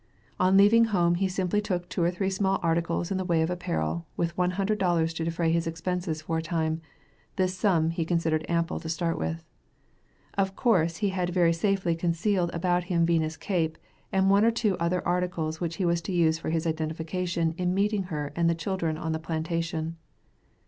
On leaving home he simply took two or three small articles in the way of apparel with one hundred dollars to defray his expenses for a time; this sum he considered ample to start with. Of course he had very safely concealed about him Vina's cape and one or two other articles which he was to use for his identification in meeting her and the children on the plantation.